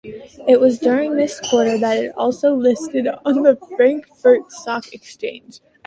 It was during this quarter that it also listed on the Frankfurt Stock Exchange.